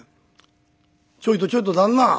「ちょいとちょいと旦那